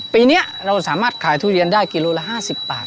ปีนี้เราสามารถขายทุเรียนได้กิโลละ๕๐บาท